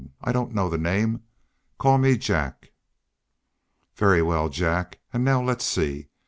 I don't know the name. Call me Jack." "Very well, Jack, and now let's see.